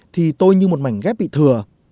thì tôi như một mảnh ghép bị thừa